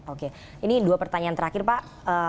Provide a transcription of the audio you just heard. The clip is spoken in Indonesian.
oke ini dua pertanyaan terakhir pak